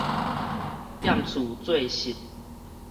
踮厝作穡